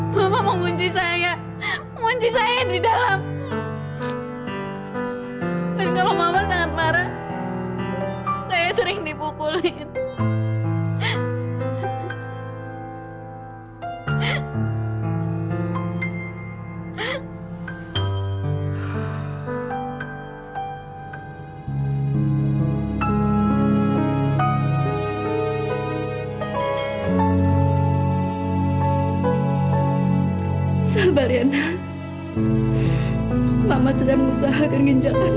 mama tidak boleh meninggal